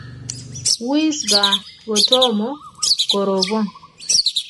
wis gaa kotomo korobon